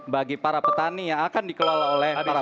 bagi para petani yang akan dikelola oleh para petani